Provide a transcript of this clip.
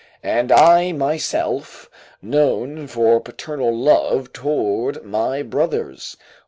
["And I myself, known for paternal love toward my brothers."